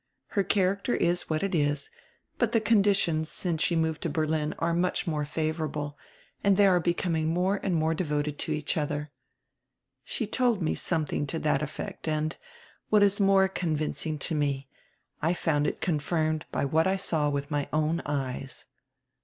Her character is what it is, but die conditions since she moved to Berlin are much more favorable and they are becoming more and more devoted to each other. She told me something to that effect and, what is more con vincing to me, I found it confirmed by what I saw with my own eyes."